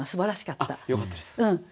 よかったです。